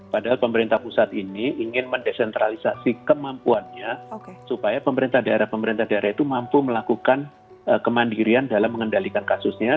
padahal pemerintah pusat ini ingin mendesentralisasi kemampuannya supaya pemerintah daerah pemerintah daerah itu mampu melakukan kemandirian dalam mengendalikan kasusnya